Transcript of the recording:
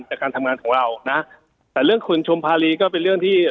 การทำงานของเรานะแต่เรื่องคุณชมภารีก็เป็นเรื่องที่